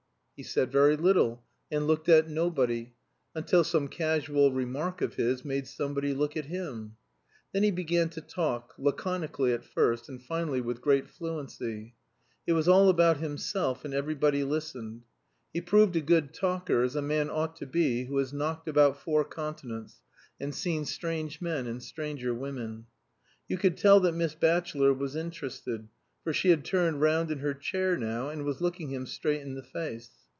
He said very little, and looked at nobody, until some casual remark of his made somebody look at him. Then he began to talk, laconically at first, and finally with great fluency. It was all about himself, and everybody listened. He proved a good talker, as a man ought to be who has knocked about four continents and seen strange men and stranger women. You could tell that Miss Batchelor was interested, for she had turned round in her chair now and was looking him straight in the face.